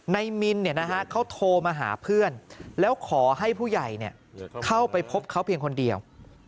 มินเขาโทรมาหาเพื่อนแล้วขอให้ผู้ใหญ่เข้าไปพบเขาเพียงคนเดียว